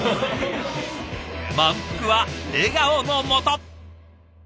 満腹は笑顔のもと！